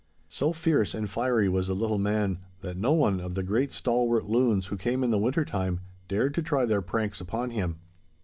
So fierce and fiery was the little man, that no one of the great stalwart loons who came in the winter time dared to try their pranks upon him.